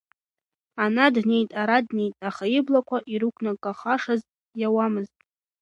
Ана днеит, ара днеит, аха иблақәа ирықәнагахашаз иоуамызт.